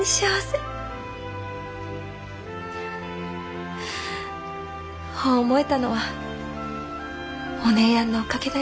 ほう思えたのはお姉やんのおかげだよ。